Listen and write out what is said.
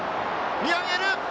見上げる！